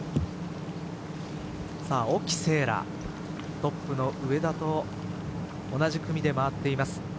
沖せいらトップの上田と同じ組で回っています。